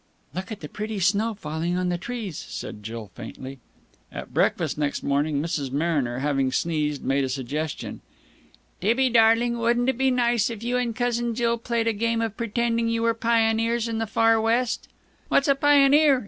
"Look at the pretty snow falling on the trees," said Jill faintly. At breakfast next morning, Mrs. Mariner having sneezed, made a suggestion. "Tibby, darling, wouldn't it be nice if you and cousin Jill played a game of pretending you were pioneers in the Far West?" "What's a pioneer?"